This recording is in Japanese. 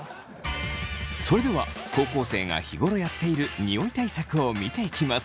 それでは高校生が日頃やっているニオイ対策を見ていきます。